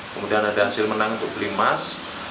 kemudian ada hasil menang untuk beli emas